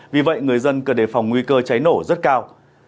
vì vậy người dân cần đề phòng nguy cơ cháy nổ rất cao